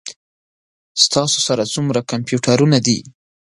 ستاسو سره څومره کمپیوټرونه دي؟